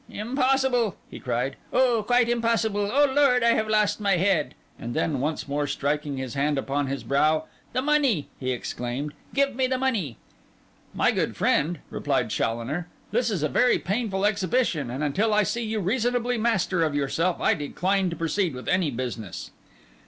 'Impossible!' he cried. 'Oh, quite impossible! O Lord, I have lost my head.' And then, once more striking his hand upon his brow, 'The money!' he exclaimed. 'Give me the money.' 'My good friend,' replied Challoner, 'this is a very painful exhibition; and until I see you reasonably master of yourself, I decline to proceed with any business.